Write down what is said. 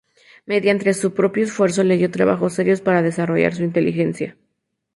Mediante su propio esfuerzo leyó trabajos serios para desarrollar su inteligencia.